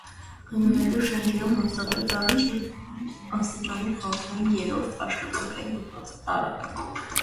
Այնուհետև շենքում հաստատվեց առաջին աստիճանի խորհրդային երրորդ աշխատանքային դպրոցը (տարրական)։